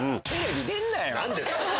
何でだよ！